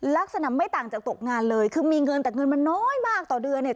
ลักษณะไม่ต่างจากตกงานเลยคือมีเงินแต่เงินมันน้อยมากต่อเดือนเนี่ย